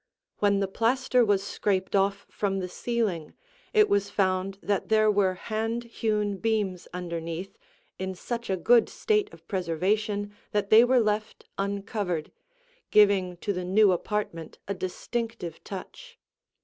When the plaster was scraped off from the ceiling, it was found that there were hand hewn beams underneath in such a good state of preservation that they were left uncovered, giving to the new apartment a distinctive touch.